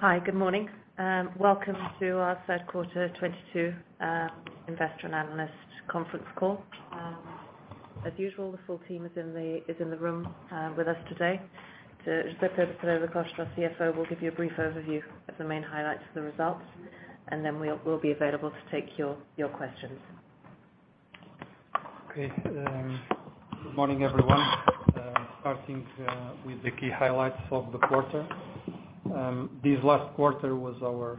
Hi, good morning. Welcome to our third quarter 2022 investor and analyst conference call. As usual, the full team is in the room with us today. José Pedro Pereira da Costa, our CFO, will give you a brief overview of the main highlights of the results, and then we'll be available to take your questions. Okay, good morning, everyone. Starting with the key highlights of the quarter. This last quarter was our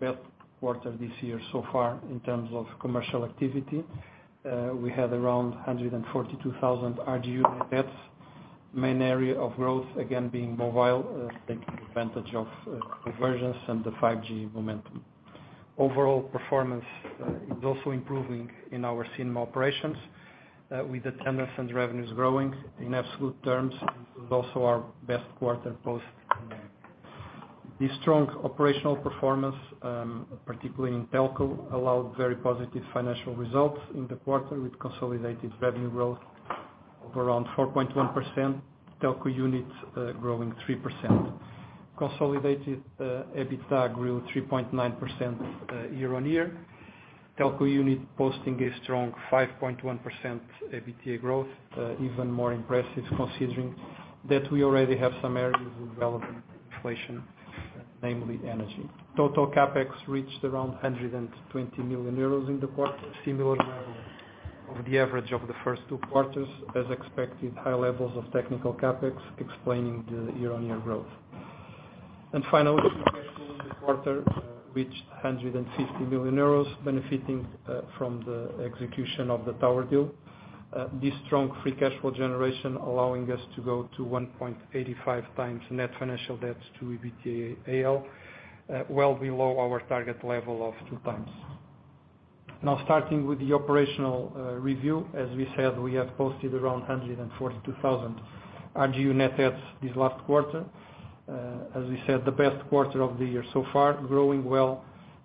best quarter this year so far in terms of commercial activity. We had around 142,000 RGU net adds. Main area of growth, again, being mobile, taking advantage of convergence and the 5G momentum. Overall performance is also improving in our cinema operations, with attendance and revenues growing in absolute terms. This is also our best quarter post-pandemic. The strong operational performance, particularly in Telco, allowed very positive financial results in the quarter with consolidated revenue growth of around 4.1%, Telco units growing 3%. Consolidated EBITDA grew 3.9% year-on-year. Telco unit posting a strong 5.1% EBITDA growth, even more impressive considering that we already have some areas of development inflation, namely energy. Total CapEx reached around 120 million euros in the quarter, similar level of the average of the first two quarters. As expected, high levels of technical CapEx explaining the year-on-year growth. Finally, free cash flow in the quarter reached 150 million euros benefiting from the execution of the tower deal. This strong free cash flow generation allowing us to go to 1.85x net financial debt to EBITDA AL, well below our target level of 2x. Now, starting with the operational review, as we said, we have posted around 142,000 RGU net adds this last quarter. As we said, the best quarter of the year so far, growing well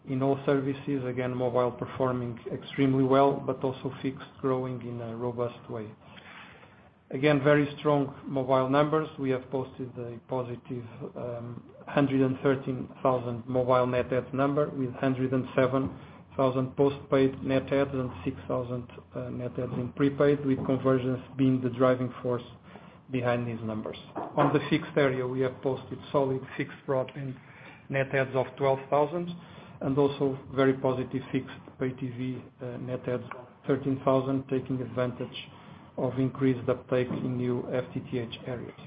in all services. Again, mobile performing extremely well, but also fixed growing in a robust way. Again, very strong mobile numbers. We have posted a positive 113,000 mobile net add number with 107,000 post-paid net adds and 6,000 net adds in prepaid, with conversions being the driving force behind these numbers. On the fixed area, we have posted solid fixed broadband net adds of 12,000 and also very positive fixed pay TV net adds of 13,000, taking advantage of increased uptake in new FTTH areas.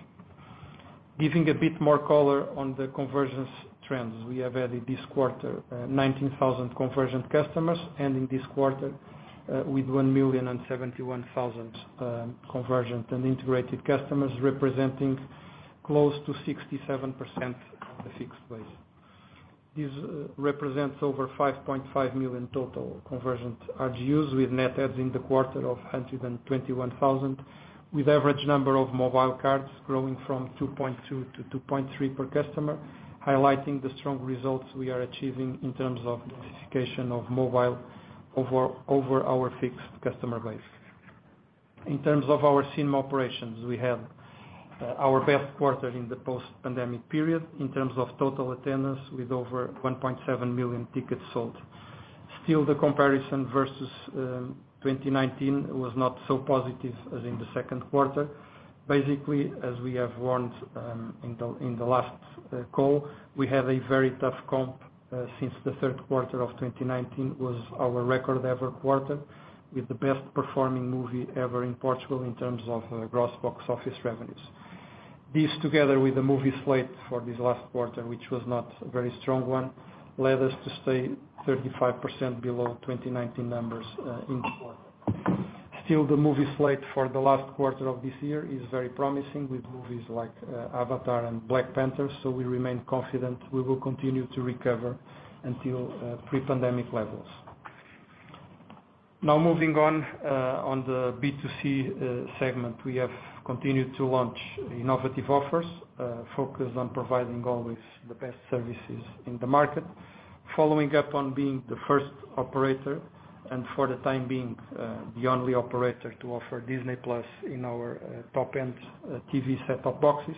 Giving a bit more color on the convergence trends, we have added this quarter 19,000 convergent customers, ending this quarter with 1,071,000 convergent and integrated customers, representing close to 67% of the fixed base. This represents over 5.5 million total convergent RGUs, with net adds in the quarter of 121,000, with average number of mobile cards growing from 2.2 to 2.3 per customer, highlighting the strong results we are achieving in terms of densification of mobile over our fixed customer base. In terms of our cinema operations, we had our best quarter in the post-pandemic period in terms of total attendance with over 1.7 million tickets sold. Still, the comparison versus 2019 was not so positive as in the second quarter. Basically, as we have warned in the last call, we had a very tough comp since the third quarter of 2019 was our record ever quarter with the best performing movie ever in Portugal in terms of gross box office revenues. This, together with the movie slate for this last quarter, which was not a very strong one, led us to stay 35% below 2019 numbers in the quarter. Still, the movie slate for the last quarter of this year is very promising with movies like Avatar and Black Panther, so we remain confident we will continue to recover until pre-pandemic levels. Now, moving on to the B2B segment. We have continued to launch innovative offers focused on providing always the best services in the market. Following up on being the first operator, and for the time being, the only operator to offer Disney+ in our top-end TV set-top boxes,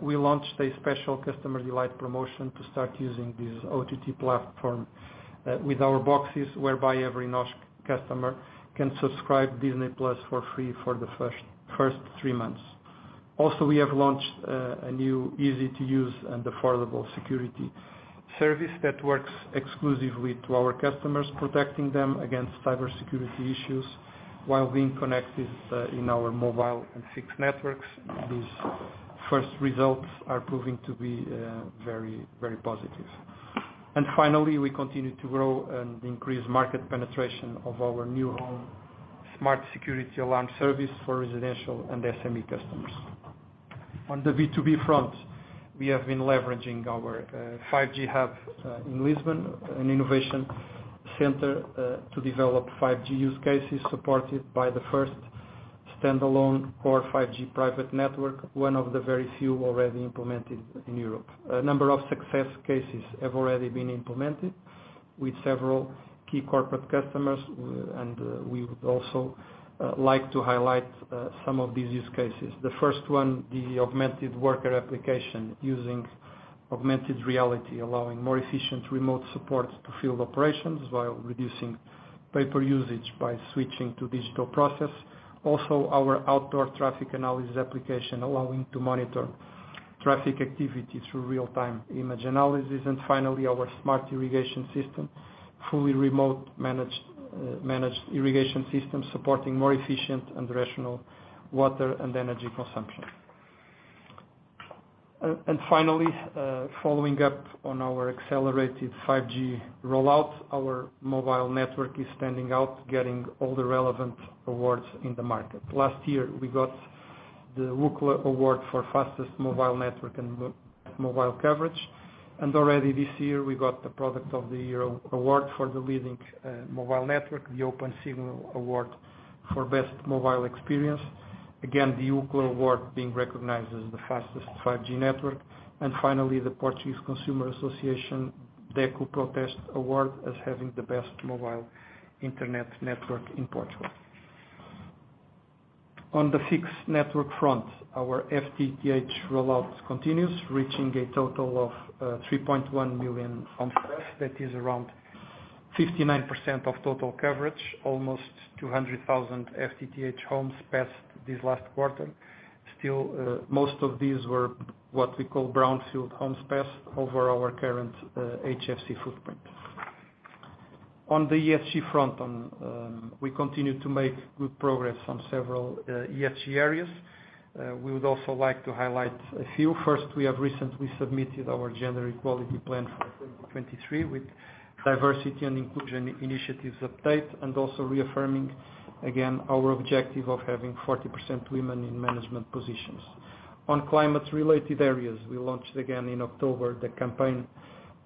we launched a special customer delight promotion to start using this OTT platform with our boxes, whereby every NOS customer can subscribe Disney+ for free for the first three months. Also, we have launched a new easy-to-use and affordable security service that works exclusively for our customers, protecting them against cybersecurity issues while being connected in our mobile and fixed networks. These first results are proving to be very positive. Finally, we continue to grow and increase market penetration of our new home smart security alarm service for residential and SME customers. On the B2B front, we have been leveraging our 5G hub in Lisbon, an innovation center, to develop 5G use cases supported by the first standalone core 5G private network, one of the very few already implemented in Europe. A number of success cases have already been implemented with several key corporate customers. We would also like to highlight some of these use cases. The first one, the augmented worker application using augmented reality, allowing more efficient remote support to field operations while reducing paper usage by switching to digital process. Also, our outdoor traffic analysis application allowing to monitor traffic activity through real-time image analysis. Finally, our smart irrigation system, fully remote managed irrigation system supporting more efficient and rational water and energy consumption. Following up on our accelerated 5G rollout, our mobile network is standing out, getting all the relevant awards in the market. Last year, we got the Ookla Award for fastest mobile network and mobile coverage. Already this year, we got the Product of the Year Award for the leading mobile network, the Opensignal Award for best mobile experience. Again, the Ookla Award being recognized as the fastest 5G network, and finally the Portuguese Consumer Association, DECO PROTESTE Award, as having the best mobile internet network in Portugal. On the fixed network front, our FTTH rollout continues, reaching a total of 3.1 million homes passed. That is around 59% of total coverage. Almost 200,000 FTTH homes passed this last quarter. Most of these were what we call brownfield homes passed over our current HFC footprint. On the ESG front, we continue to make good progress on several ESG areas. We would also like to highlight a few. First, we have recently submitted our gender equality plan for 2023 with diversity and inclusion initiatives update, and also reaffirming again our objective of having 40% women in management positions. On climate-related areas, we launched again in October the campaign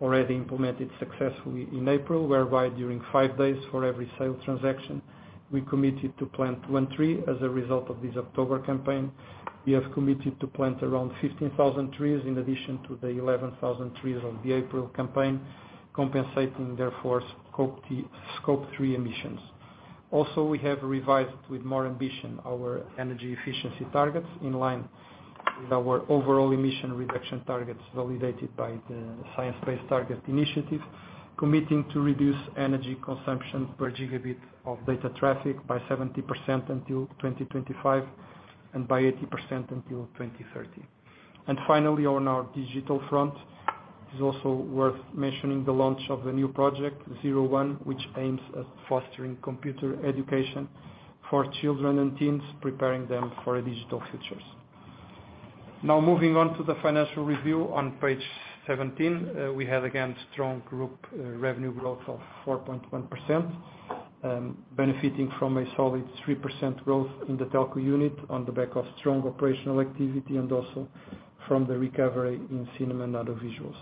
already implemented successfully in April, whereby during five days for every sales transaction, we committed to plant one tree. As a result of this October campaign, we have committed to plant around 15,000 trees in addition to the 11,000 trees of the April campaign, compensating therefore Scope 3 emissions. Also, we have revised with more ambition our energy efficiency targets in line with our overall emission reduction targets validated by the Science Based Targets initiative, committing to reduce energy consumption per gigabit of data traffic by 70% until 2025, and by 80% until 2030. Finally, on our digital front, it is also worth mentioning the launch of the new project, Zero 1, which aims at fostering computer education for children and teens, preparing them for digital futures. Now moving on to the financial review on page 17. We had again strong group revenue growth of 4.1%, benefiting from a solid 3% growth in the Telco unit on the back of strong operational activity and also from the recovery in cinema and audiovisuals.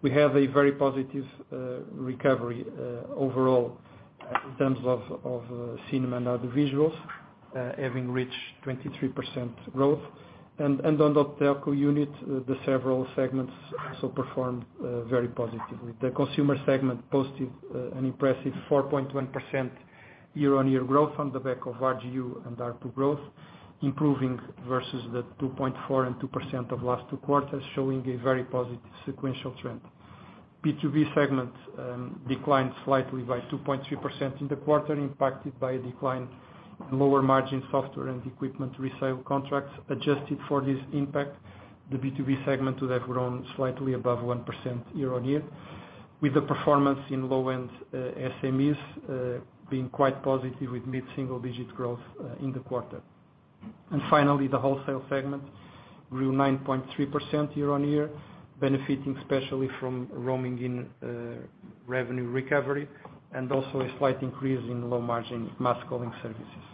We have a very positive recovery overall in terms of cinema and audiovisuals having reached 23% growth. On the Telco unit, the several segments also performed very positively. The consumer segment posted an impressive 4.1% year-on-year growth on the back of RGU and ARPU growth, improving versus the 2.4% and 2% of last two quarters, showing a very positive sequential trend. B2B segment declined slightly by 2.3% in the quarter, impacted by a decline in lower margin software and equipment resale contracts. Adjusted for this impact, the B2B segment would have grown slightly above 1% year-on-year, with the performance in low-end SMEs being quite positive with mid-single digit growth in the quarter. Finally, the wholesale segment grew 9.3% year-on-year, benefiting especially from roaming and revenue recovery and also a slight increase in low margin mass calling services.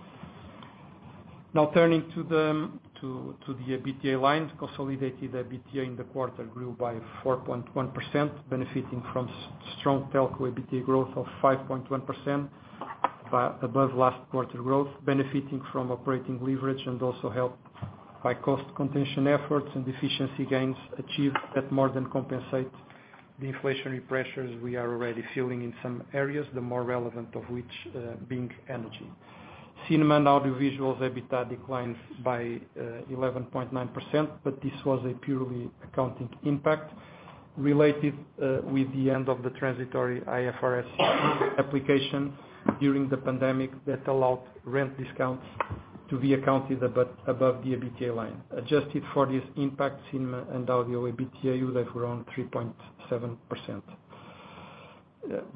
Now turning to the EBITDA lines. Consolidated EBITDA in the quarter grew by 4.1%, benefiting from strong Telco EBITDA growth of 5.1% above last quarter growth, benefiting from operating leverage and also helped by cost contention efforts and efficiency gains achieved that more than compensate the inflationary pressures we are already feeling in some areas, the more relevant of which being energy. Cinema and audiovisuals EBITDA declined by 11.9%, but this was a purely accounting impact related with the end of the transitory IFRS application during the pandemic that allowed rent discounts to be accounted above the EBITDA line. Adjusted for this impact, cinema and audio EBITDA would have grown 3.7%.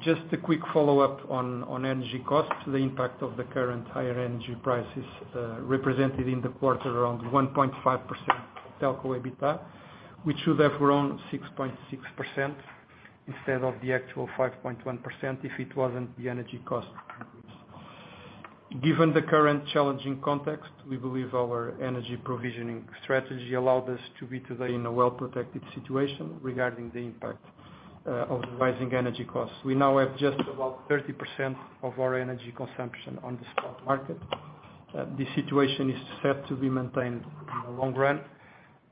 Just a quick follow-up on energy costs. The impact of the current higher energy prices represented in the quarter around 1.5% Telco EBITDA, which should have grown 6.6% instead of the actual 5.1% if it wasn't the energy cost increase. Given the current challenging context, we believe our energy provisioning strategy allowed us to be today in a well-protected situation regarding the impact of the rising energy costs. We now have just about 30% of our energy consumption on the spot market. This situation is set to be maintained in the long run.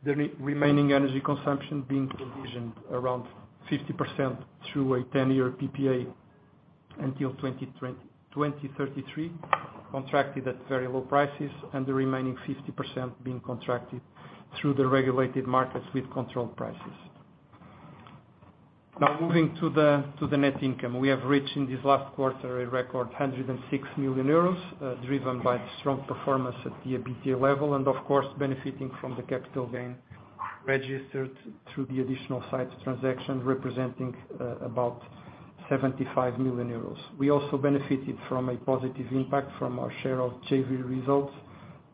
The remaining energy consumption being provisioned around 50% through a ten-year PPA until 2033, contracted at very low prices and the remaining 50% being contracted through the regulated markets with controlled prices. Now moving to the net income. We have reached in this last quarter a record 106 million euros, driven by the strong performance at the EBITDA level and of course benefiting from the capital gain registered through the additional sites transaction representing about 75 million euros. We also benefited from a positive impact from our share of JV results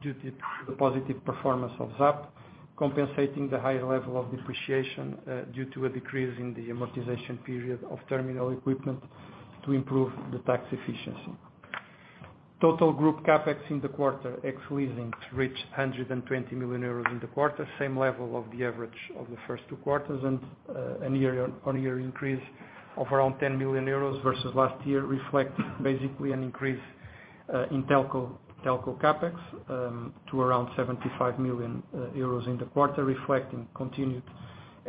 due to the positive performance of ZAP, compensating the higher level of depreciation due to a decrease in the amortization period of terminal equipment to improve the tax efficiency. Total group CapEx in the quarter ex leasing reached 120 million euros in the quarter, same level of the average of the first two quarters and a year-on-year increase of around 10 million euros versus last year, reflecting basically an increase in Telco CapEx to around 75 million euros in the quarter, reflecting continued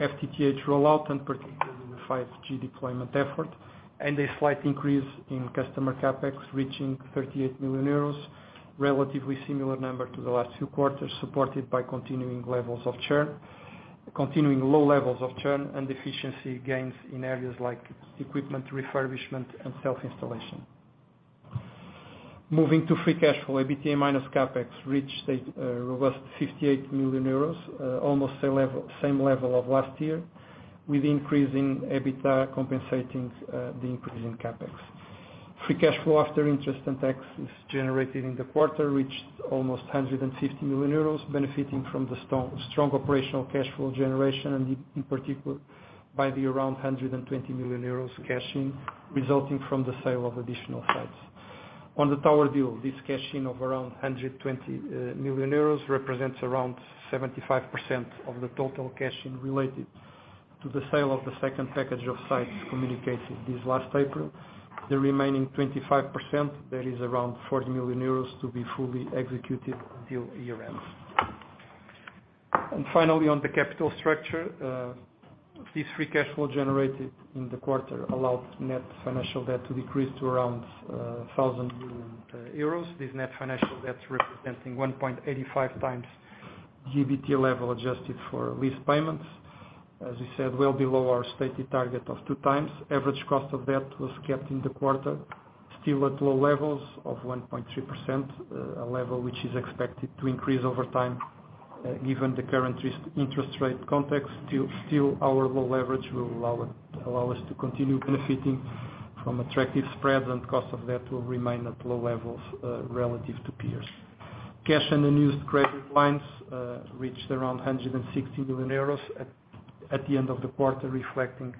FTTH rollout and particularly the 5G deployment effort and a slight increase in customer CapEx reaching 38 million euros. Relatively similar number to the last two quarters, supported by continuing low levels of churn and efficiency gains in areas like equipment refurbishment and self-installation. Moving to free cash flow, EBITDA minus CapEx reached a robust 58 million euros, same level of last year with increase in EBITDA compensating the increase in CapEx. Free cash flow after interest and tax generated in the quarter reached almost 150 million euros, benefiting from the strong operational cash flow generation and in particular by the around 120 million euros cash in resulting from the sale of additional sites. On the tower deal, this cash in of around 120 million euros represents around 75% of the total cash in related to the sale of the second package of sites communicated this last April. The remaining 25%, that is around 40 million euros to be fully executed until year-end. Finally, on the capital structure, this free cash flow generated in the quarter allowed net financial debt to decrease to around 1,000 million euros. This net financial debt representing 1.85x EBITDA level adjusted for lease payments. As we said, well below our stated target of 2x. Average cost of debt was kept in the quarter, still at low levels of 1.3%, a level which is expected to increase over time, given the current interest rate context. Still, our low leverage will allow us to continue benefiting from attractive spreads and cost of debt will remain at low levels, relative to peers. Cash and unused credit lines reached around 160 million euros at the end of the quarter, reflecting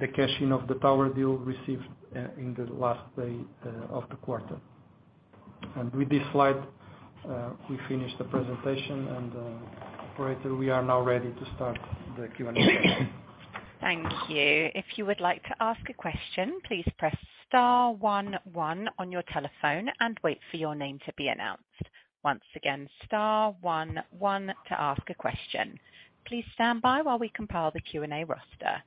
the cashing of the tower deal received in the last day of the quarter. With this slide, we finish the presentation and, operator, we are now ready to start the Q&A session. Thank you. If you would like to ask a question, please press star one one on your telephone and wait for your name to be announced. Once again, star one one to ask a question. Please stand by while we compile the Q&A roster.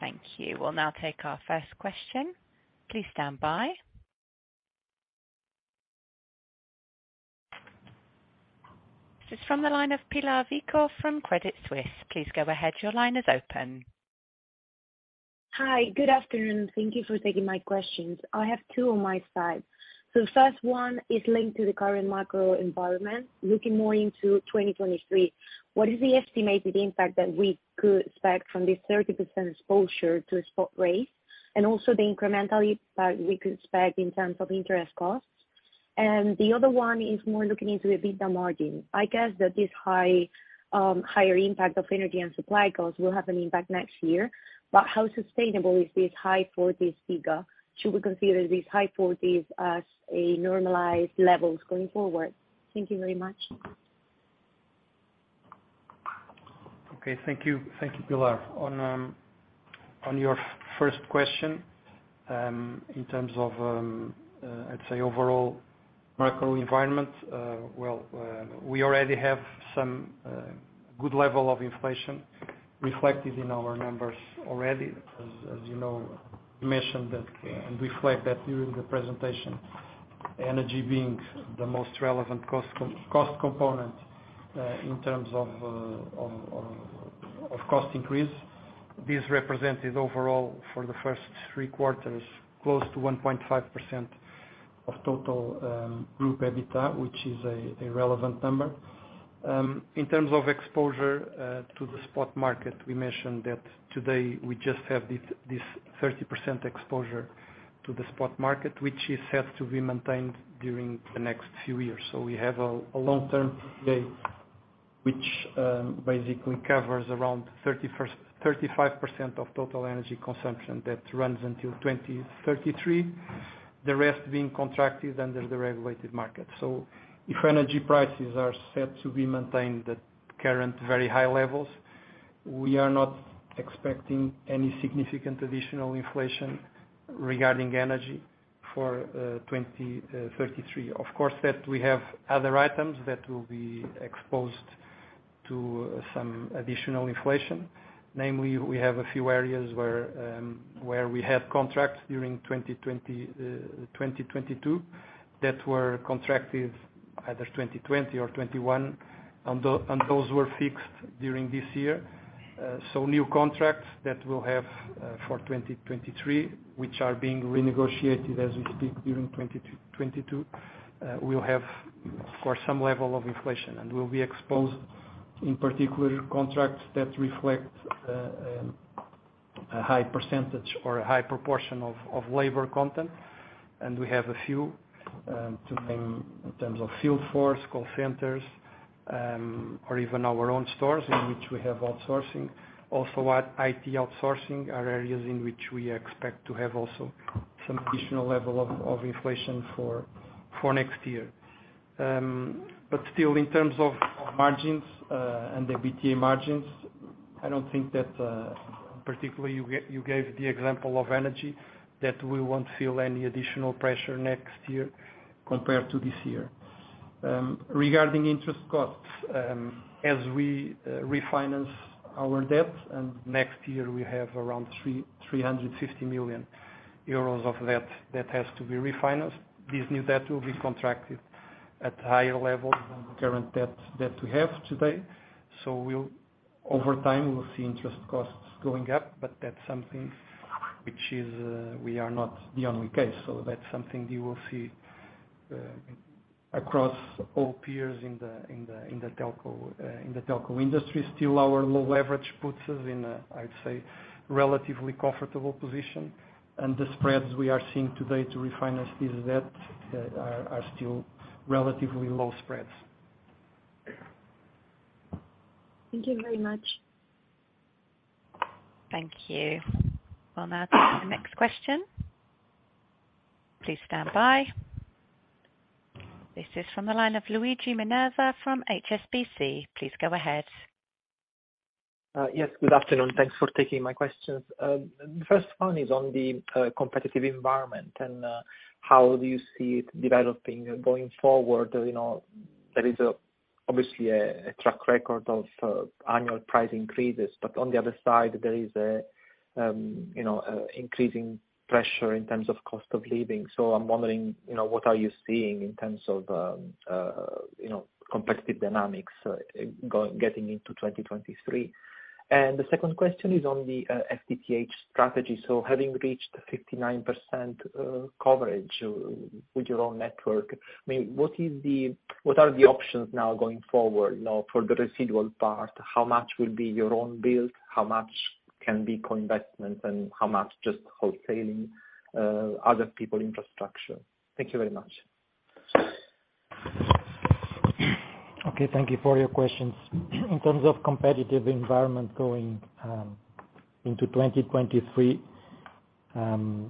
Thank you. We'll now take our first question. Please stand by. This is from the line of Pilar Vico from Credit Suisse. Please go ahead. Your line is open. Hi, good afternoon. Thank you for taking my questions. I have two on my side. The first one is linked to the current macro environment. Looking more into 2023, what is the estimated impact that we could expect from this 30% exposure to spot rates and also the incremental impact we could expect in terms of interest costs? The other one is more looking into the EBITDA margin. I guess that this higher impact of energy and supply costs will have an impact next year, but how sustainable is this high figure? Should we consider this high figure as a normalized levels going forward? Thank you very much. Okay. Thank you. Thank you, Pilar. On your first question, in terms of, I'd say overall macro environment, well, we already have some good level of inflation reflected in our numbers already. As you know, we mentioned that and reflect that during the presentation, energy being the most relevant cost component, in terms of cost increase. This represented overall for the first three quarters, close to 1.5% of total group EBITDA, which is a relevant number. In terms of exposure, to the spot market, we mentioned that today we just have this 30% exposure to the spot market, which is set to be maintained during the next few years. We have a long-term rate which basically covers around 30%-35% of total energy consumption that runs until 2033, the rest being contracted under the regulated market. If energy prices are set to be maintained at current very high levels, we are not expecting any significant additional inflation regarding energy for 2033. Of course, we have other items that will be exposed to some additional inflation. Namely, we have a few areas where we have contracts during 2022 that were contracted either 2020 or 2021, and those were fixed during this year. New contracts that we'll have for 2023, which are being renegotiated as we speak during 2022, will have, of course, some level of inflation and will be exposed in particular contracts that reflect a high percentage or a high proportion of labor content. We have a few to name in terms of field force, call centers, or even our own stores in which we have outsourcing. Also, our IT outsourcing are areas in which we expect to have also some additional level of inflation for next year. Still in terms of margins, and the EBITDA margins, I don't think that, particularly you gave the example of energy, that we won't feel any additional pressure next year compared to this year. Regarding interest costs, as we refinance our debt, next year we have around 350 million euros of debt that has to be refinanced. This new debt will be contracted at higher levels than the current debt that we have today. We'll see interest costs going up over time, but that's something which is we are not the only case. That's something you will see across all peers in the Telco industry. Still our low leverage puts us in a, I'd say, relatively comfortable position. The spreads we are seeing today to refinance this debt are still relatively low spreads. Thank you very much. Thank you. We'll now take the next question. Please stand by. This is from the line of Luigi Minerva from HSBC. Please go ahead. Yes, good afternoon. Thanks for taking my questions. The first one is on the competitive environment and how do you see it developing going forward? You know, there is obviously a track record of annual price increases, but on the other side, there is increasing pressure in terms of cost of living. I'm wondering, you know, what are you seeing in terms of you know, competitive dynamics getting into 2023? The second question is on the FTTH strategy. Having reached 59% coverage with your own network, I mean, what are the options now going forward, you know, for the residual part? How much will be your own build? How much can be co-investment, and how much just wholesaling other people's infrastructure? Thank you very much. Okay, thank you for your questions. In terms of competitive environment going into 2023,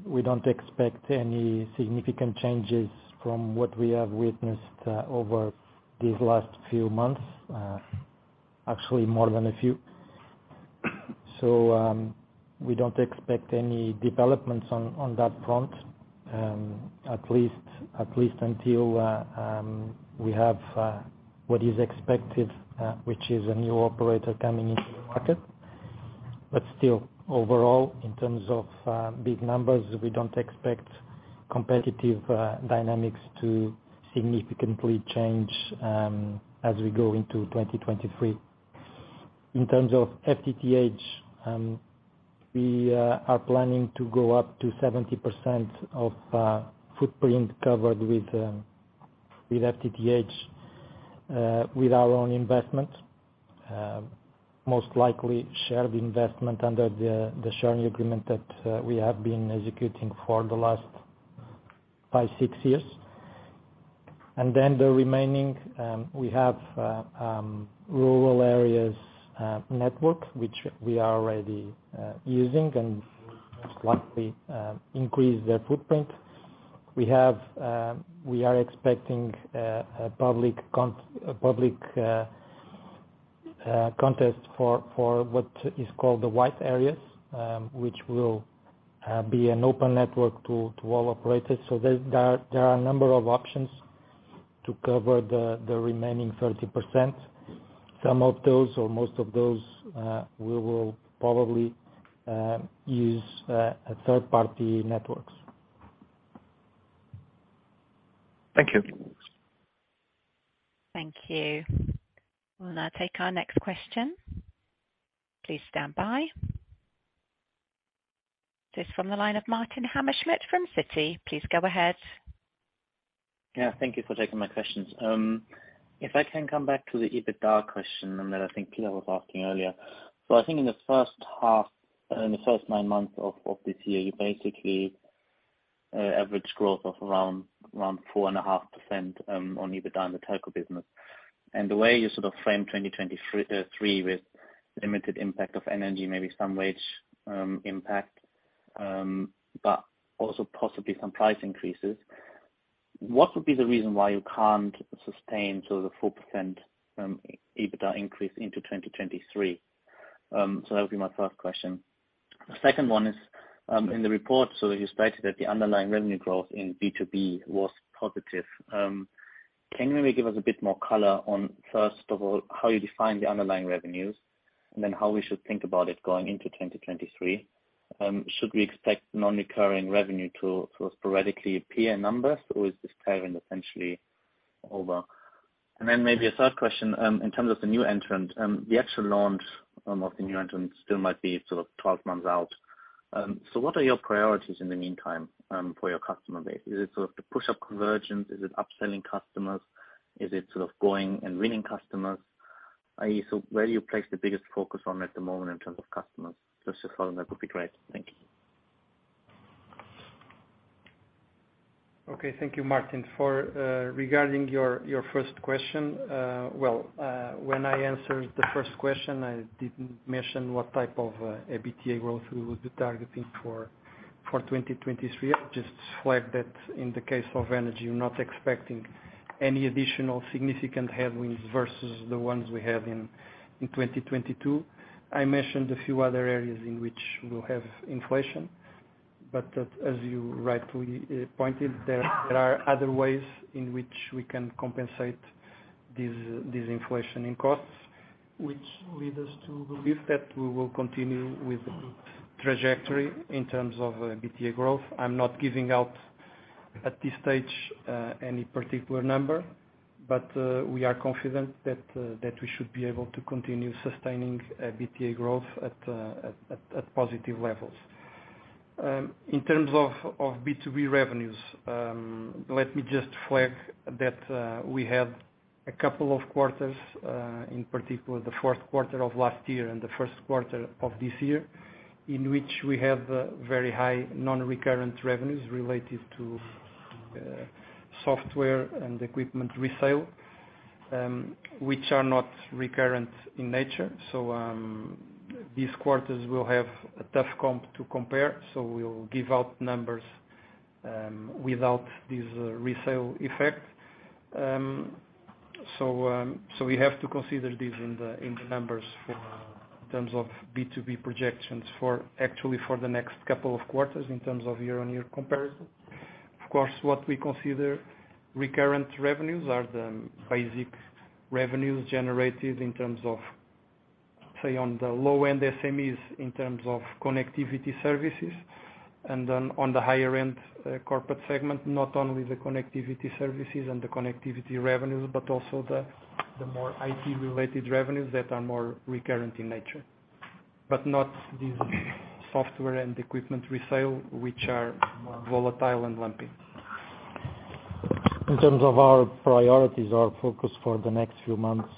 we don't expect any significant changes from what we have witnessed over these last few months, actually more than a few. We don't expect any developments on that front, at least until we have what is expected, which is a new operator coming into the market. Still, overall, in terms of big numbers, we don't expect competitive dynamics to significantly change as we go into 2023. In terms of FTTH, we are planning to go up to 70% of footprint covered with FTTH with our own investment. Most likely shared investment under the sharing agreement that we have been executing for the last five, six years. The remaining, we have rural areas network, which we are already using and most likely increase their footprint. We are expecting a public contest for what is called the white areas, which will be an open network to all operators. There are a number of options to cover the remaining 30%. Some of those or most of those, we will probably use third-party networks. Thank you. Thank you. We'll now take our next question. Please stand by. This from the line of Martin Hammerschmidt from Citi. Please go ahead. Yeah, thank you for taking my questions. If I can come back to the EBITDA question that I think Pilar Vico was asking earlier. I think in the first half, in the first nine months of this year, you basically average growth of around 4.5% on EBITDA in the Telco business. The way you sort of frame 2023 with limited impact of energy, maybe some wage impact, but also possibly some price increases. What would be the reason why you can't sustain the 4% EBITDA increase into 2023? That would be my first question. The second one is, in the report, you stated that the underlying revenue growth in B2B was positive. Can you maybe give us a bit more color on, first of all, how you define the underlying revenues, and then how we should think about it going into 2023? Should we expect non-recurring revenue to sporadically appear in numbers, or is this pattern essentially over? Maybe a third question, in terms of the new entrant, the actual launch of the new entrant still might be sort of 12 months out. What are your priorities in the meantime, for your customer base? Is it sort of to push up convergence? Is it upselling customers? Is it sort of going and winning customers? I.e., so where do you place the biggest focus on at the moment in terms of customers? Just a follow-up would be great. Thank you. Okay, thank you, Martin, for regarding your first question. When I answered the first question, I didn't mention what type of EBITDA growth we would be targeting for 2023. I'll just flag that in the case of energy, we're not expecting any additional significant headwinds versus the ones we have in 2022. I mentioned a few other areas in which we'll have inflation, but as you rightly pointed, there are other ways in which we can compensate these inflation in costs, which lead us to believe that we will continue with the trajectory in terms of EBITDA growth. I'm not giving out at this stage any particular number, but we are confident that we should be able to continue sustaining EBITDA growth at positive levels. In terms of B2B revenues, let me just flag that we had a couple of quarters, in particular the fourth quarter of last year and the first quarter of this year, in which we have very high non-recurrent revenues related to software and equipment resale, which are not recurrent in nature. These quarters will have a tough comp to compare, so we'll give out numbers without this resale effect. We have to consider this in the numbers in terms of B2B projections for actually for the next couple of quarters in terms of year-on-year comparison. Of course, what we consider recurrent revenues are the basic revenues generated in terms of, say, on the low-end SMEs in terms of connectivity services. Then on the higher end, corporate segment, not only the connectivity services and the connectivity revenues, but also the more IT-related revenues that are more recurrent in nature. Not these software and equipment resale, which are more volatile and lumpy. In terms of our priorities, our focus for the next few months,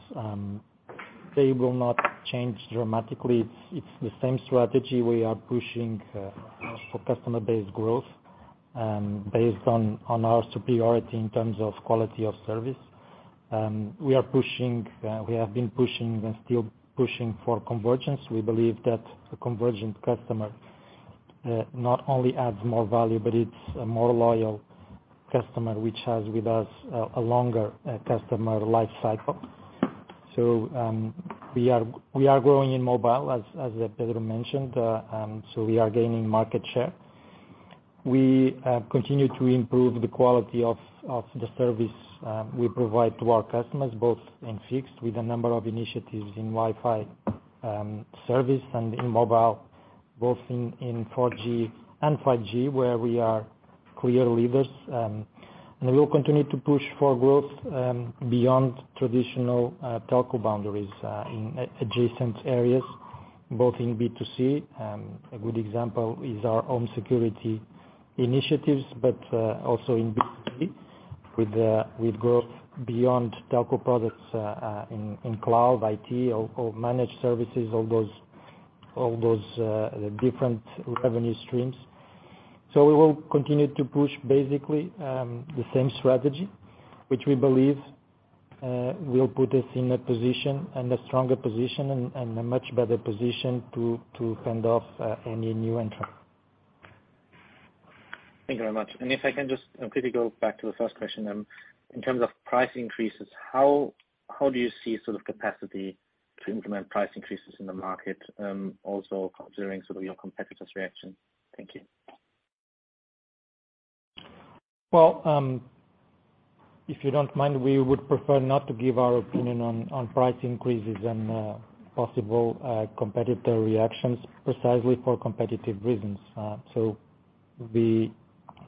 they will not change dramatically. It's the same strategy we are pushing for customer-based growth, based on our superiority in terms of quality of service. We have been pushing and still pushing for convergence. We believe that the convergent customer not only adds more value, but it's a more loyal customer which has with us a longer customer life cycle. We are growing in mobile, as Pedro mentioned. We are gaining market share. We continue to improve the quality of the service we provide to our customers, both in fixed with a number of initiatives in Wi-Fi service and in mobile, both in 4G and 5G, where we are clear leaders. We will continue to push for growth beyond traditional Telco boundaries in adjacent areas, both in B2B. A good example is our home security initiatives, but also in B2B with growth beyond Telco products in cloud, IT or managed services, all those different revenue streams. We will continue to push basically the same strategy, which we believe will put us in a position and a stronger position and a much better position to fend off any new entrant. Thank you very much. If I can just quickly go back to the first question, in terms of price increases, how do you see sort of capacity to implement price increases in the market, also considering sort of your competitors' reaction? Thank you. Well, if you don't mind, we would prefer not to give our opinion on price increases and possible competitor reactions precisely for competitive reasons. So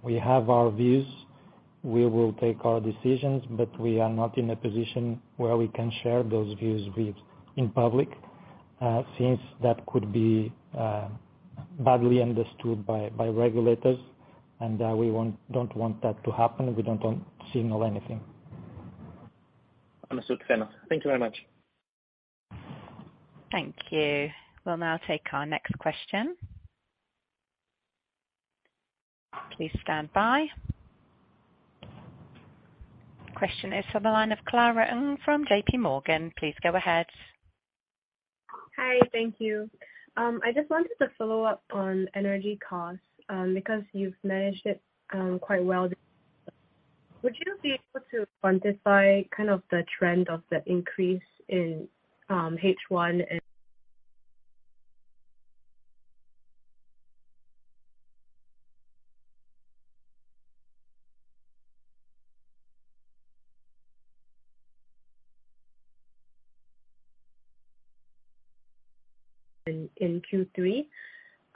we have our views, we will take our decisions, but we are not in a position where we can share those views in public since that could be badly understood by regulators. We don't want that to happen. We don't want to signal anything. Understood, fair enough. Thank you very much. Thank you. We'll now take our next question. Please stand by. Question is from the line of Clara Ng from JPMorgan. Please go ahead. Hi. Thank you. I just wanted to follow up on energy costs, because you've managed it quite well. Would you be able to quantify kind of the trend of the increase in H1 and in Q3?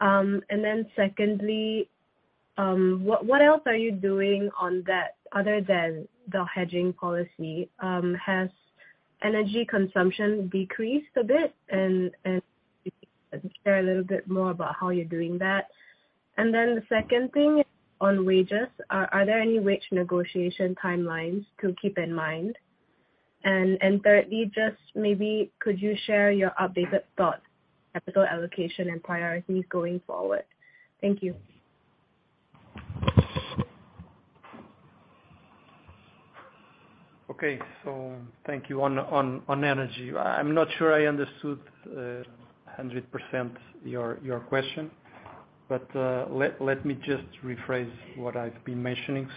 And then secondly, what else are you doing on that other than the hedging policy? Has energy consumption decreased a bit? And share a little bit more about how you're doing that. And then the second thing on wages, are there any wage negotiation timelines to keep in mind? And thirdly, just maybe could you share your updated thoughts, capital allocation and priorities going forward? Thank you. Okay. Thank you. On energy, I'm not sure I understood 100% your question, but let me just rephrase what I've been mentioning.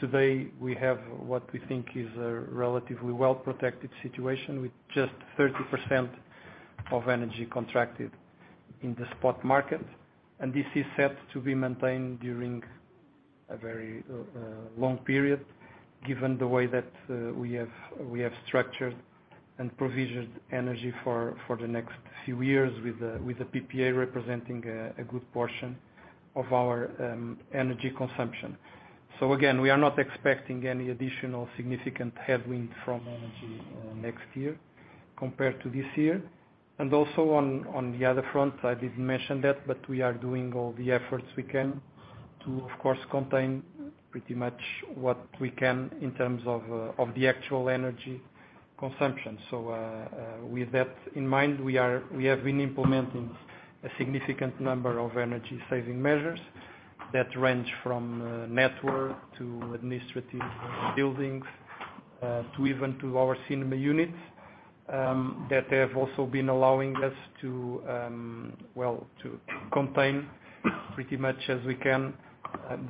Today we have what we think is a relatively well-protected situation with just 30% of energy contracted in the spot market, and this is set to be maintained during a very long period, given the way that we have structured and provisioned energy for the next few years with a PPA representing a good portion of our energy consumption. Again, we are not expecting any additional significant headwind from energy next year compared to this year. Also on the other front, I didn't mention that, but we are doing all the efforts we can to, of course, contain pretty much what we can in terms of the actual energy consumption. With that in mind, we have been implementing a significant number of energy saving measures that range from network to administrative buildings to even our cinema units that have also been allowing us to, well, to contain pretty much as we can,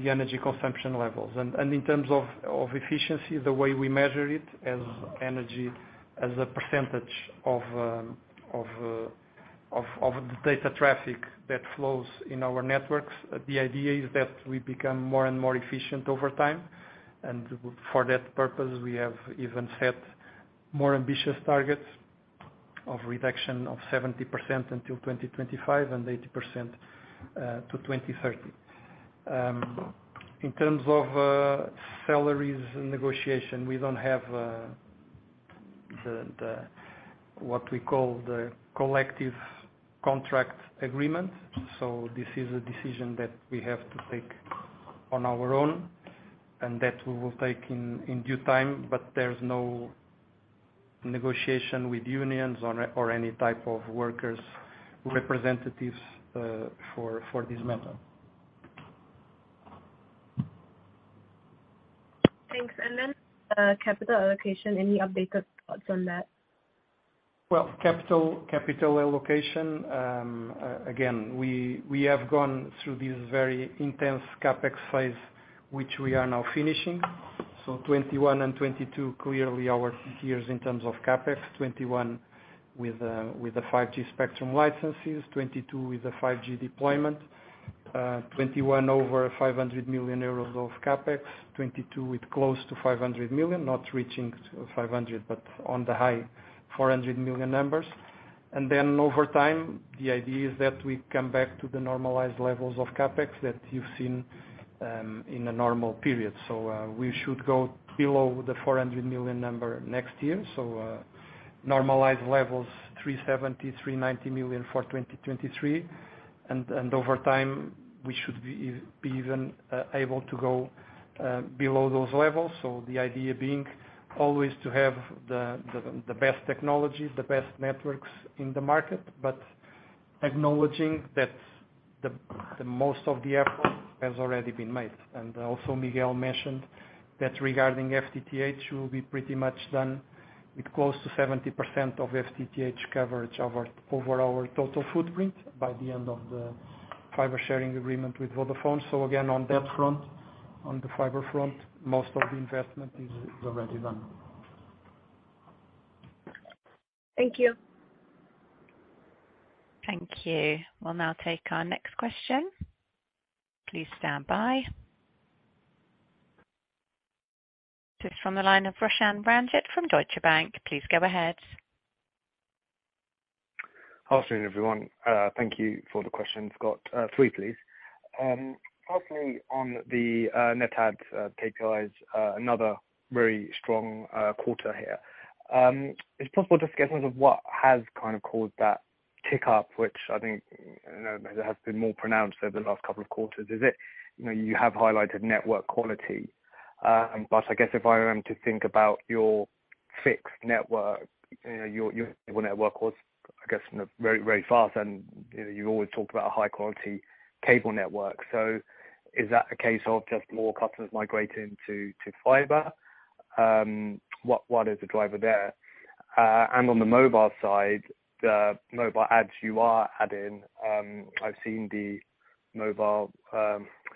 the energy consumption levels. In terms of efficiency, the way we measure it as energy as a percentage of the data traffic that flows in our networks. The idea is that we become more and more efficient over time, and for that purpose, we have even set more ambitious targets of reduction of 70% until 2025 and 80% to 2030. In terms of salaries negotiation, we don't have the what we call the collective contract agreement. This is a decision that we have to take on our own and that we will take in due time. There's no negotiation with unions or any type of workers representatives for this matter. Thanks. Capital allocation, any updated thoughts on that? Well, capital allocation, again, we have gone through this very intense CapEx phase, which we are now finishing. 2021 and 2022 clearly our key years in terms of CapEx. 2021 with the 5G spectrum licenses, 2022 with the 5G deployment. 2021 over 500 million euros of CapEx. 2022 with close to 500 million, not reaching 500 million, but on the high 400 million numbers. Then over time, the idea is that we come back to the normalized levels of CapEx that you've seen, in a normal period. We should go below the 400 million number next year. Normalized levels, 370 million-390 million for 2023. Over time, we should be even able to go below those levels. The idea being always to have the best technology, the best networks in the market, but acknowledging that the most of the effort has already been made. Also Miguel mentioned that regarding FTTH, we'll be pretty much done with close to 70% of FTTH coverage over our total footprint by the end of the fiber sharing agreement with Vodafone. Again, on that front, on the fiber front, most of the investment is already done. Thank you. Thank you. We'll now take our next question. Please stand by. This is from the line of Roshan Ranjit from Deutsche Bank. Please go ahead. Afternoon, everyone. Thank you for the questions, Scott. Three, please. Firstly, on the net adds, KPIs, another very strong quarter here. Is it possible just to get a sense of what has kind of caused that tick up, which I think, you know, has been more pronounced over the last couple of quarters? Is it, you know, you have highlighted network quality. I guess if I am to think about your fixed network, you know, your network was, I guess, very, very fast, and, you know, you always talk about a high quality cable network. Is that a case of just more customers migrating to fiber? What is the driver there? On the mobile side, the mobile adds you are adding, I've seen the mobile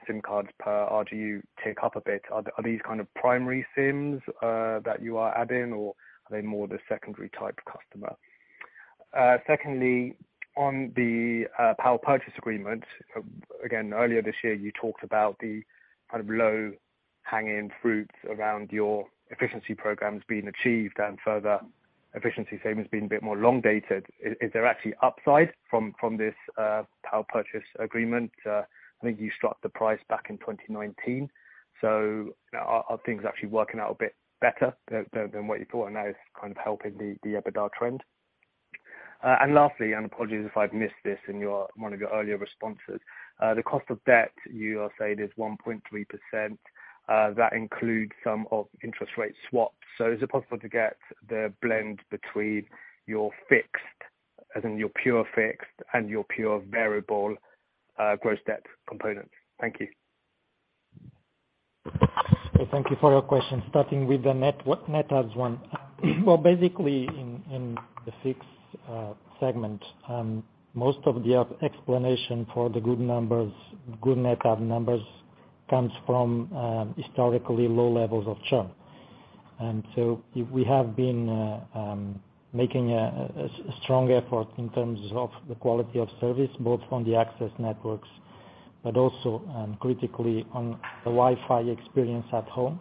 SIM cards per RGU tick up a bit. Are these kind of primary SIMs that you are adding or are they more the secondary type customer? Secondly, on the power purchase agreement, again, earlier this year you talked about the kind of low-hanging fruits around your efficiency programs being achieved and further efficiency savings being a bit more long-dated. Is there actually upside from this power purchase agreement? I think you struck the price back in 2019. So are things actually working out a bit better than what you thought and that is kind of helping the EBITDA trend? Lastly, apologies if I've missed this in your. One of your earlier responses, the cost of debt you are saying is 1.3%, that includes some of interest rate swaps. Is it possible to get the blend between your fixed, as in your pure fixed, and your pure variable, gross debt component? Thank you. Thank you for your question. Starting with the net adds one. Well, basically, in the fixed segment, most of the explanation for the good numbers, good net add numbers comes from historically low levels of churn. We have been making a strong effort in terms of the quality of service, both on the access networks, but also critically on the Wi-Fi experience at home.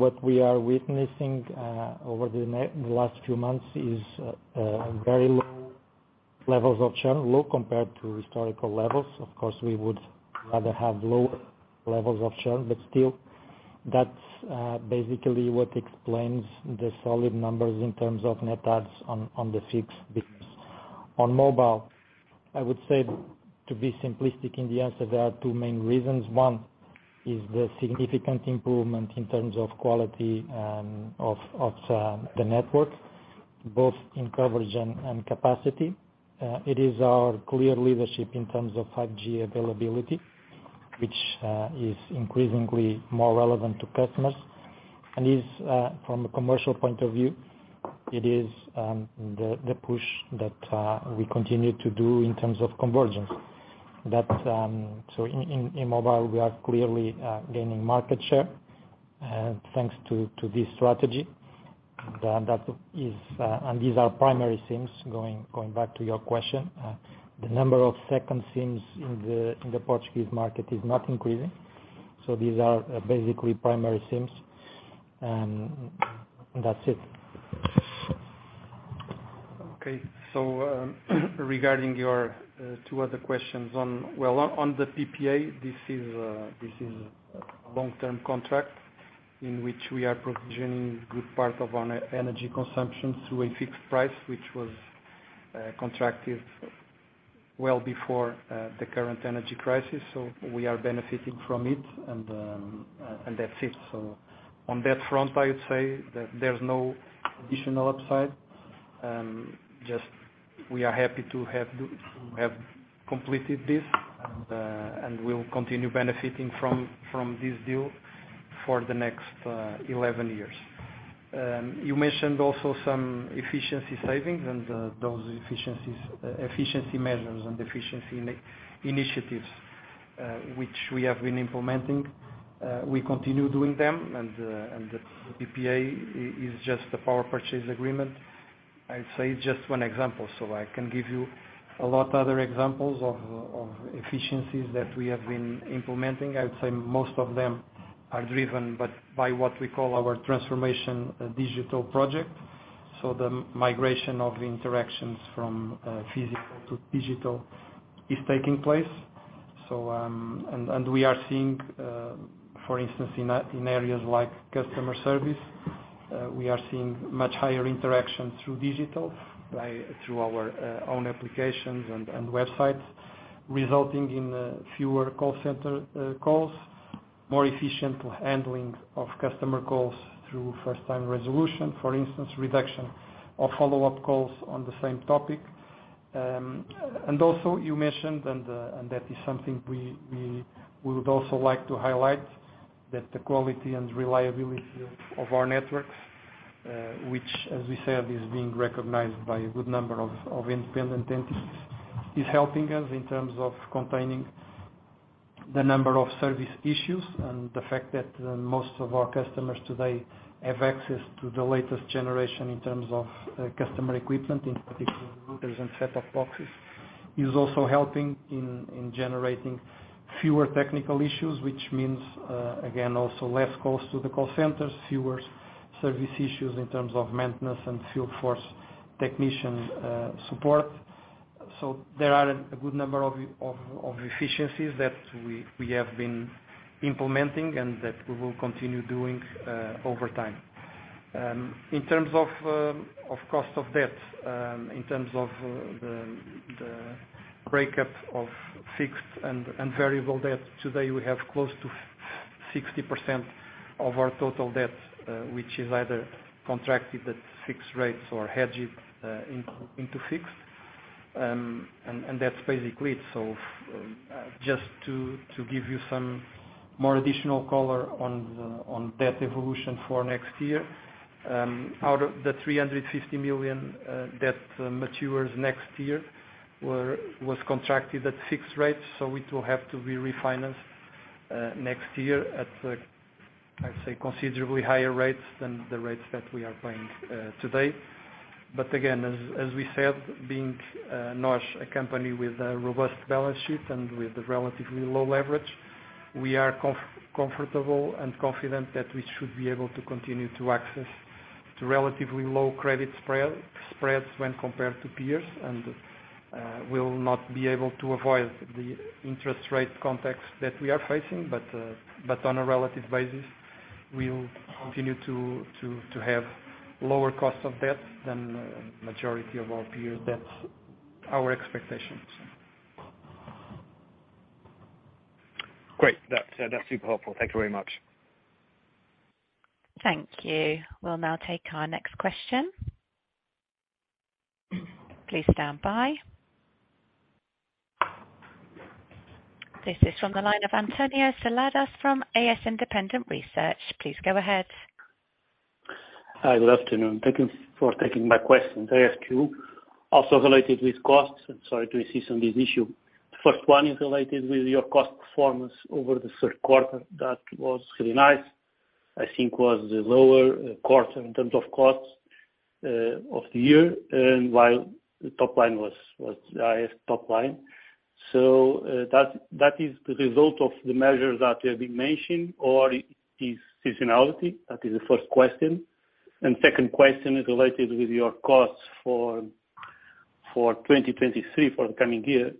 What we are witnessing over the last few months is very low levels of churn, low compared to historical levels. Of course, we would rather have lower levels of churn, but still, that's basically what explains the solid numbers in terms of net adds on the fixed business. On mobile, I would say, to be simplistic in the answer, there are two main reasons. One is the significant improvement in terms of quality and of the network, both in coverage and capacity. It is our clear leadership in terms of 5G availability, which is increasingly more relevant to customers. From a commercial point of view, it is the push that we continue to do in terms of convergence. In mobile, we are clearly gaining market share thanks to this strategy. These are primary SIMs, going back to your question. The number of second SIMs in the Portuguese market is not increasing. These are basically primary SIMs. That's it. Okay. Regarding your two other questions on the PPA, this is a long-term contract in which we are provisioning good part of our energy consumption through a fixed price, which was contracted well before the current energy crisis. We are benefiting from it and that's it. On that front, I would say that there's no additional upside. Just we are happy to have completed this and we'll continue benefiting from this deal for the next 11 years. You mentioned also some efficiency savings and those efficiency measures and efficiency initiatives, which we have been implementing. We continue doing them and the PPA is just the power purchase agreement. I'd say just one example, so I can give you a lot other examples of efficiencies that we have been implementing. I would say most of them are driven, but by what we call our transformation digital project. The migration of interactions from physical to digital is taking place. And we are seeing, for instance, in areas like customer service, much higher interaction through digital, by, through our own applications and websites, resulting in fewer call center calls, more efficient handling of customer calls through first time resolution, for instance, reduction of follow-up calls on the same topic. also you mentioned and that is something we would also like to highlight, that the quality and reliability of our networks, which as we said, is being recognized by a good number of independent entities, is helping us in terms of containing the number of service issues and the fact that most of our customers today have access to the latest generation in terms of customer equipment, in particular routers and set-top boxes, is also helping in generating fewer technical issues, which means, again, also less calls to the call centers, fewer service issues in terms of maintenance and field force technician support. There are a good number of efficiencies that we have been implementing and that we will continue doing over time. In terms of cost of debt, in terms of the breakup of fixed and variable debt, today we have close to 60% of our total debt, which is either contracted at fixed rates or hedged into fixed. That's basically it. Just to give you some more additional color on debt evolution for next year. Out of the 350 million debt matures next year was contracted at fixed rates, so it will have to be refinanced next year at, I'd say, considerably higher rates than the rates that we are paying today. As we said, being NOS a company with a robust balance sheet and with a relatively low leverage, we are comfortable and confident that we should be able to continue to access to relatively low credit spreads when compared to peers. We will not be able to avoid the interest rate context that we are facing, but on a relative basis, we'll continue to have lower costs of debt than majority of our peers. That's our expectations. Great. That's super helpful. Thank you very much. Thank you. We'll now take our next question. Please stand by. This is from the line of António Salgado from AS Independent Research. Please go ahead. Hi, good afternoon. Thank you for taking my questions. I have two, also related with costs. I'm sorry to insist on this issue. First one is related with your cost performance over the third quarter. That was really nice. I think it was the lower quarter in terms of costs of the year, and while the top line was the highest top line. That is the result of the measures that have been mentioned or is seasonality. That is the first question. Second question is related with your costs for 2023, for the coming year.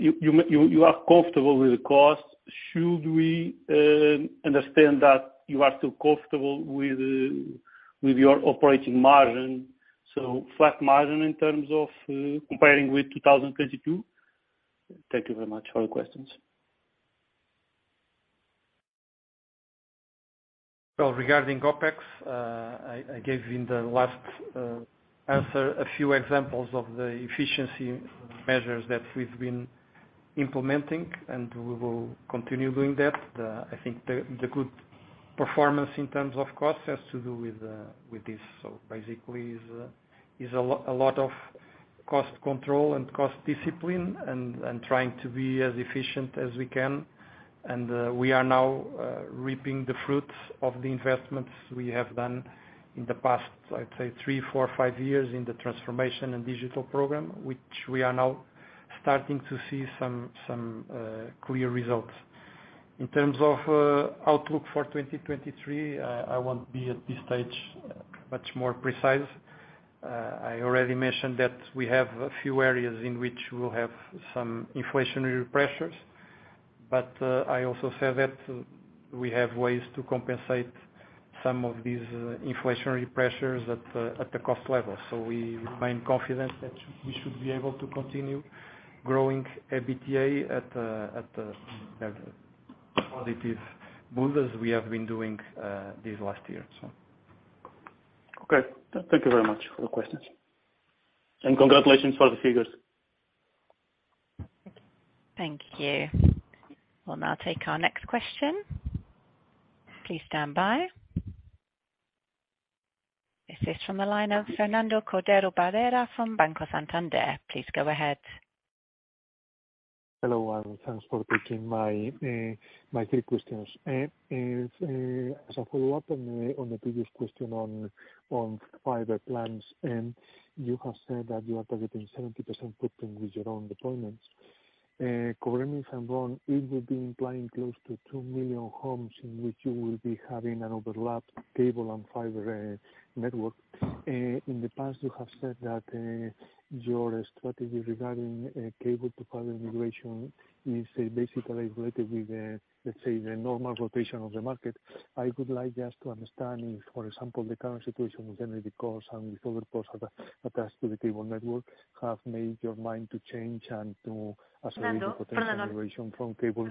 You are comfortable with the costs. Should we understand that you are still comfortable with your operating margin, so flat margin in terms of comparing with 2022? Thank you very much for your questions. Well, regarding OpEx, I gave in the last answer a few examples of the efficiency measures that we've been implementing, and we will continue doing that. I think the good performance in terms of cost has to do with this. Basically is a lot of cost control and cost discipline and trying to be as efficient as we can. We are now reaping the fruits of the investments we have done in the past, I'd say three, four, five years in the transformation and digital program, which we are now starting to see some clear results. In terms of outlook for 2023, I won't be at this stage much more precise. I already mentioned that we have a few areas in which we'll have some inflationary pressures. I also said that we have ways to compensate some of these inflationary pressures at the cost level. We remain confident that we should be able to continue growing EBITDA at positive double digits we have been doing this last year. Okay. Thank you very much for your questions. Congratulations for the figures. Thank you. We'll now take our next question. Please stand by. This is from the line of Fernando Cordero Barreira from Banco Santander. Please go ahead. Hello, and thanks for taking my three questions. As a follow-up on the previous question on fiber plans, you have said that you are targeting 70% footprint with your own deployments. Correct me if I'm wrong, it will be implying close to 2 million homes in which you will be having an overlapped cable and fiber network. In the past you have said that your strategy regarding cable to fiber migration is basically related with, let's say, the normal rotation of the market. I would like just to understand if, for example, the current situation with energy costs and with other costs attached to the cable network have made your mind to change and to accelerate- Fernando. The potential migration from cable.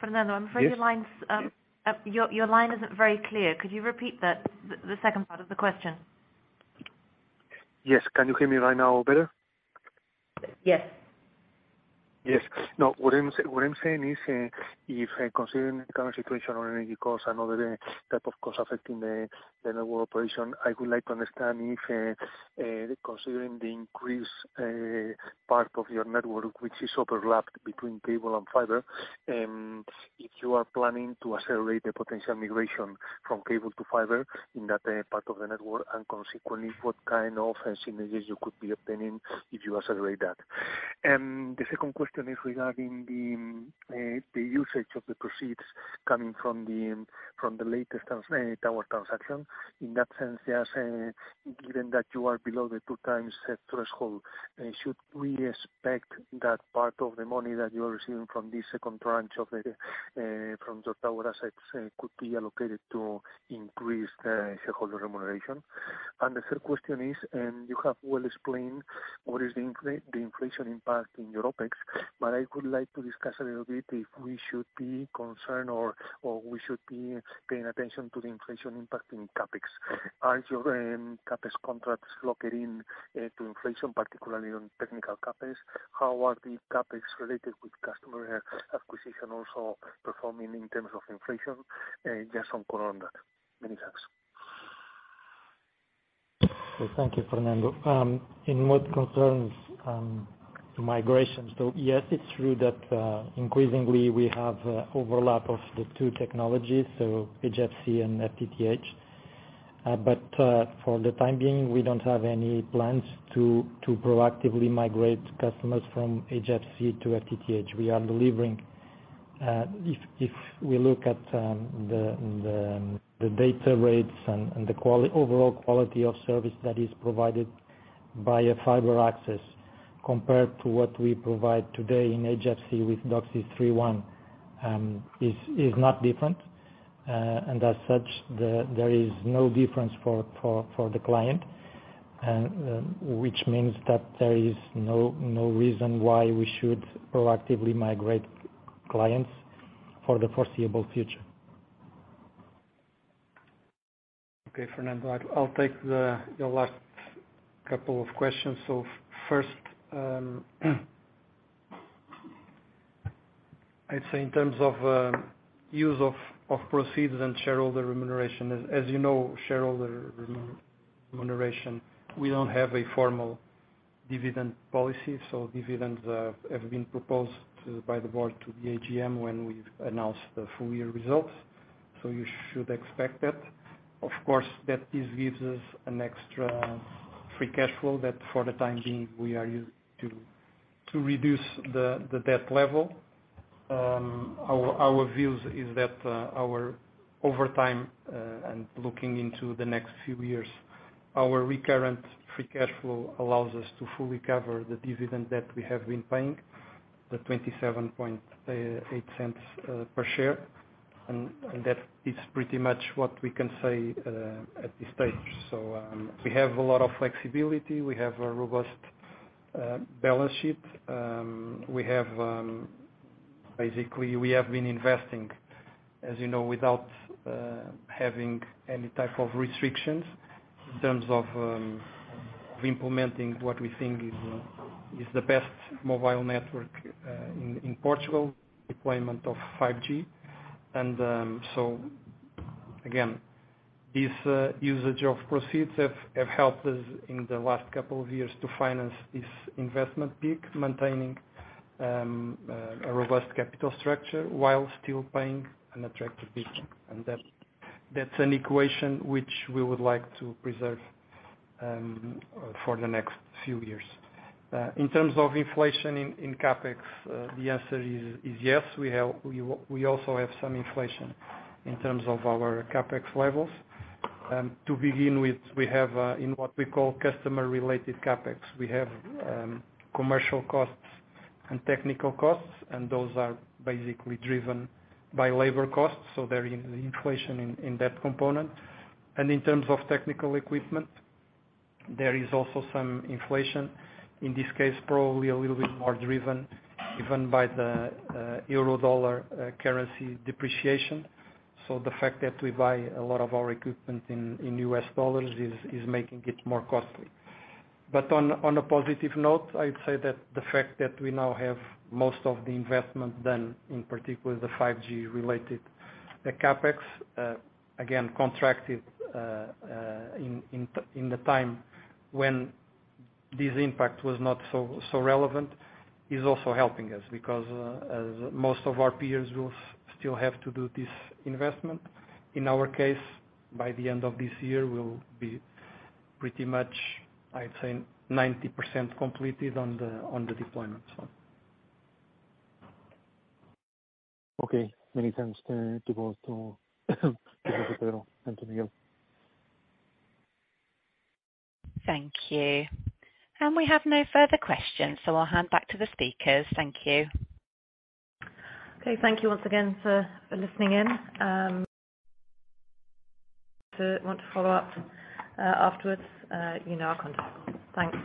Fernando, I'm afraid your line isn't very clear. Could you repeat that, the second part of the question? Yes. Can you hear me right now better? Yes. Yes. Now, what I'm saying is, if considering the current situation on energy costs and other type of costs affecting the network operation, I would like to understand if, considering the increased part of your network, which is overlapped between cable and fiber, if you are planning to accelerate the potential migration from cable to fiber in that part of the network, and consequently, what kind of synergies you could be obtaining if you accelerate that? The second question is regarding the usage of the proceeds coming from the latest tower transaction. In that sense, just given that you are below the 2x net debt threshold, should we expect that part of the money that you're receiving from this second tranche of the tower assets could be allocated to increase the shareholder remuneration? The third question is, you have well explained what is the inflation impact in your OpEx. But I would like to discuss a little bit if we should be concerned or we should be paying attention to the inflation impact in CapEx. Are your CapEx contracts locked in to inflation, particularly on technical CapEx? How are the CapEx related with customer acquisition also performing in terms of inflation? Just one call on that. Many thanks. Well, thank you, Fernando. In what concerns migrations, yes, it's true that increasingly we have overlap of the two technologies, HFC and FTTH. But for the time being, we don't have any plans to proactively migrate customers from HFC to FTTH. We are delivering, if we look at the data rates and the overall quality of service that is provided by a fiber access compared to what we provide today in HFC with DOCSIS 3.1, is not different. As such, there is no difference for the client, which means that there is no reason why we should proactively migrate clients for the foreseeable future. Okay, Fernando, I'll take your last couple of questions. First, I'd say in terms of use of proceeds and shareholder remuneration. As you know, shareholder remuneration, we don't have a formal dividend policy, so dividends have been proposed by the board to the AGM when we've announced the full year results. You should expect that. Of course, this gives us an extra free cash flow that for the time being we are using to reduce the debt level. Our view is that over time and looking into the next few years, our recurrent free cash flow allows us to fully cover the dividend that we have been paying, the 0.278 per share. That is pretty much what we can say at this stage. We have a lot of flexibility. We have a robust balance sheet. We have basically been investing, as you know, without having any type of restrictions in terms of implementing what we think is the best mobile network in Portugal, deployment of 5G. Again, this usage of proceeds have helped us in the last couple of years to finance this investment peak, maintaining a robust capital structure while still paying an attractive dividend. That's an equation which we would like to preserve for the next few years. In terms of inflation in CapEx, the answer is yes, we also have some inflation in terms of our CapEx levels. To begin with, we have in what we call customer-related CapEx. We have commercial costs and technical costs, and those are basically driven by labor costs, so there is inflation in that component. In terms of technical equipment, there is also some inflation, in this case probably a little bit more driven even by the euro-dollar currency depreciation. The fact that we buy a lot of our equipment in US dollars is making it more costly. On a positive note, I'd say that the fact that we now have most of the investment done, in particular the 5G-related CapEx, again contracted in the time when this impact was not so relevant, is also helping us because as most of our peers will still have to do this investment. In our case, by the end of this year, we'll be pretty much, I'd say, 90% completed on the deployment. Okay. Many thanks. To go to António. Thank you. We have no further questions, so I'll hand back to the speakers. Thank you. Okay. Thank you once again for listening in. If you want to follow up afterwards, you know our contact. Thanks.